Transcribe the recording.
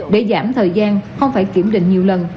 để giảm thời gian không phải kiểm định nhiều lần